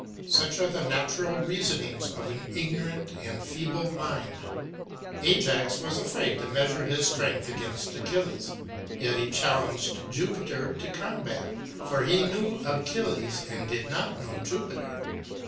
Such are the natural reasonings of an ignorant and feeble mind. Ajax was afraid to measure his strength against Achilles, yet he challenged Jupiter to combat, for he knew Achilles and did not know Jupiter.